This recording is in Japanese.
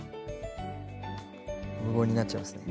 無言になっちゃいますね。